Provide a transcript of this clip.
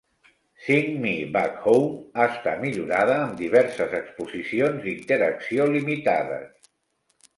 "Sing Me Back Home" està millorada amb diverses exposicions d'interacció limitades.